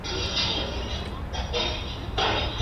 帕尔鲁瓦。